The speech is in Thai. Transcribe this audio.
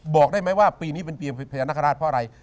บอกได้ไหมว่าปีนี้เป็นปีพญานาคาราชเพราะอะไร